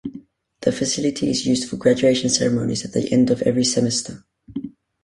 The facility is used for graduation ceremonies at the end of every semester.